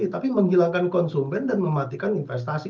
tapi menghilangkan konsumen dan mematikan investasi